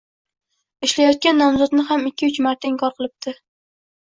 ishlayotgan nomzodni ham ikki-uch marta inkor qilibdi.